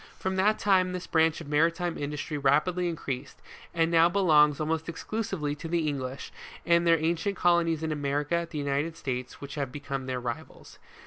From that time this branch of maritime industry rapidly increased, and now be longs almost exclusively to the hlnglish, and their ancient colonies in America, the United States, which have become their rivals.